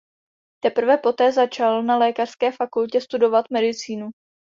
Teprve poté začal na lékařské fakultě studovat medicínu.